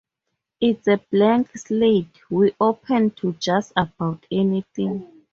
It's a blank slate, we're open to just about anything.